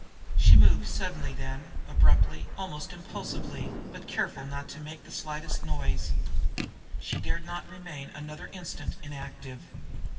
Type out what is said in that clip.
She moved suddenly then, abruptly, almost impulsively, but careful not to make the slightest noise. She dared not remain another instant inactive.